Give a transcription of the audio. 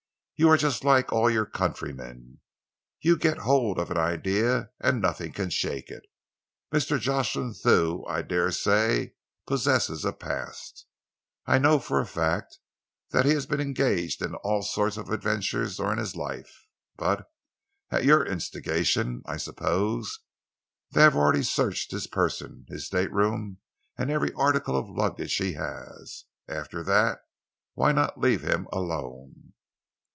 "You are just like all your countrymen. You get hold of an idea and nothing can shake it. Mr. Jocelyn Thew, I dare say, possesses a past. I know for a fact that he has been engaged in all sorts of adventures during his life. But at your instigation, I suppose they have already searched his person, his stateroom, and every article of luggage he has. After that, why not leave him alone?"